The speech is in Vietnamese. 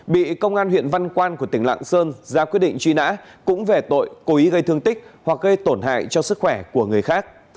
bị công an huyện văn quan của tỉnh lạng sơn ra quyết định truy nã cũng về tội cố ý gây thương tích hoặc gây tổn hại cho sức khỏe của người khác